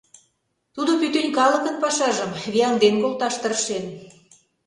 Тудо пӱтынь калыкын пашажым вияҥден колташ тыршен.